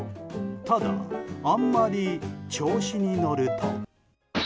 ただ、あんまり調子に乗ると。